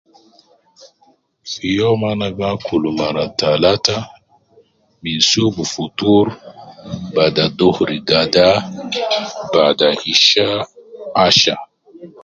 Fi youm ana gi akul mara talata, minsub fotur, bada dhuhuri gada, bada isha asha